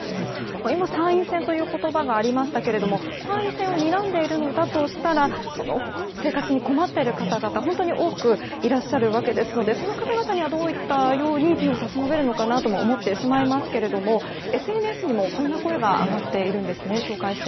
今、参院選という言葉がありましたが参院選をにらんでいるのだとしたら生活に困っている方々は、本当に多くいらっしゃるわけですのでその方々には、どういった手を差し伸べるのかなと思いましたがＳＮＳにもこんな声が上がっています。